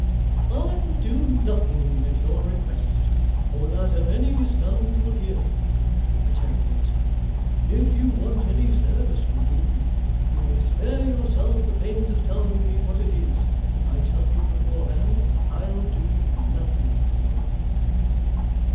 'I'll do nothing at your request, or that of any scoundrel here,' returned the locksmith. 'If you want any service from me, you may spare yourselves the pains of telling me what it is. I tell you, beforehand, I'll do nothing for you.